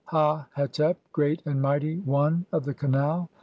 "Hail, Ha hetep, great and mighty one of the canal!